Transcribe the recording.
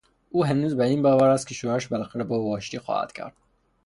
او هنوز بر این باور است که شوهرش بالاخره با او آشتی خواهد کرد.